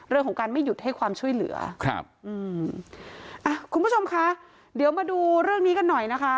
เรื่องของการไม่หยุดให้ความช่วยเหลือครับอืมอ่ะคุณผู้ชมคะเดี๋ยวมาดูเรื่องนี้กันหน่อยนะคะ